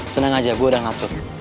tenang aja gue udah ngatur